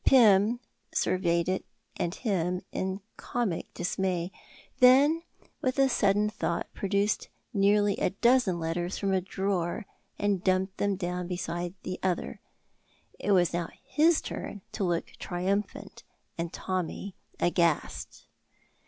Pym surveyed it and him in comic dismay, then with a sudden thought produced nearly a dozen letters from a drawer, and dumped them down beside the other. It was now his turn to look triumphant and Tommy aghast.